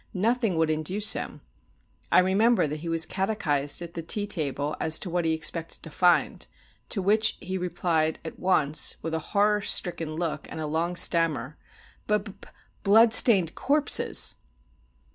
Nothing would induce him. I remember that he was catechised at the tea table as to what he expected to find, to which he replied at once, with a horror stricken look and a long stammer, "B b b bloodstained corpses!"